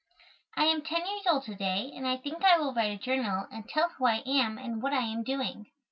I am ten years old to day, and I think I will write a journal and tell who I am and what I am doing.